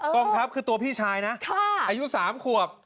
กองทัพคือตัวพี่ชายนะอายุ๓ขวบ